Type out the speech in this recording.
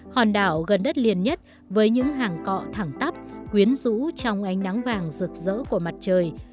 hòn đảo gần đất liền nhất với những hàng cọ thẳng tắp quyến rũ trong ánh nắng vàng rực rỡ của mặt trời